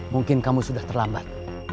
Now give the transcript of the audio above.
mungkin kamu sudah terlambat